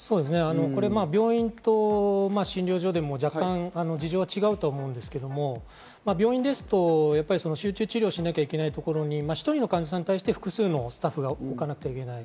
病院と診療所でも若干事情は違うと思うんですけど、病院ですと集中治療をしなければいけないところに１人の患者さんに対して複数のスタッフを置かなければいけない。